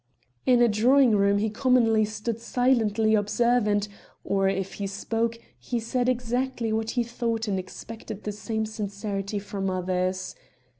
In a drawing room he commonly stood silently observant, or, if he spoke, he said exactly what he thought and expected the same sincerity from others.